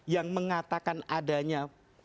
yang mengatakan adanya